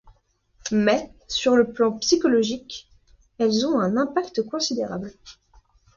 Mais, sur le plan psychologique, elles ont un impact considérable.